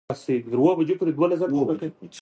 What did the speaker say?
د افغانستان په منظره کې زمرد ښکاره ده.